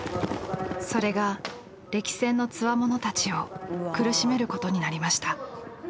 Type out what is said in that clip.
それが歴戦のつわものたちを苦しめることになりました。